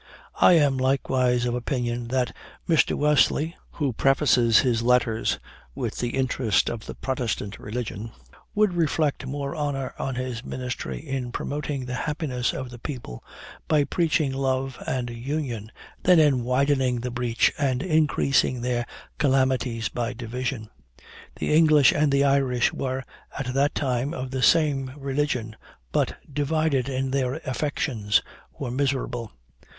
I am likewise of opinion that Mr. Wesley, who prefaces his letter with 'the interest of the Protestant religion,' would reflect more honor on his ministry in promoting the happiness of the people, by preaching love and union, than in widening the breach, and increasing their calamities by division. The English and Irish were, at that time, of the same religion, but, divided in their affections, were miserable.